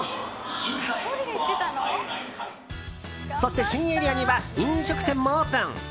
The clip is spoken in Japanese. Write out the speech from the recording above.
そして、新エリアには飲食店もオープン。